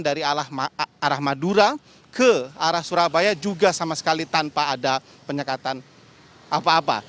dari arah madura ke arah surabaya juga sama sekali tanpa ada penyekatan apa apa